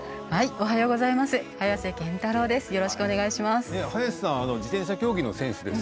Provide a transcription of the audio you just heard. おはようございます。